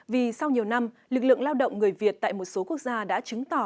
vì sau nhiều năm lực lượng lao động người việt tại một số quốc gia đã chứng tỏ